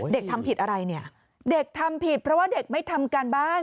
ทำผิดอะไรเนี่ยเด็กทำผิดเพราะว่าเด็กไม่ทำการบ้าน